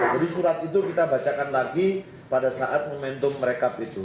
jadi surat itu kita bacakan lagi pada saat momentum merekap itu